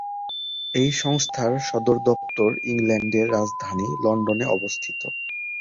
এই সংস্থার সদর দপ্তর ইংল্যান্ডের রাজধানী লন্ডনে অবস্থিত।